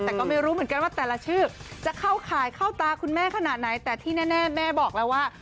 แต่ก็ไม่รู้เหมือนกันว่าแต่ละชื่อจะเข้าข่ายเข้าตาคุณแม่ขนาดไหนแต่ที่แน่แม่บอกแล้วว่า